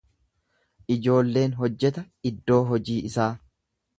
Ijoolleen hojjeta iddoo hojii isaa.